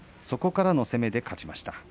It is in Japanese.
そこからの攻めで勝ちました。